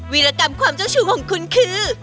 วิรกรรมความเจ้าชู้ของคุณคือ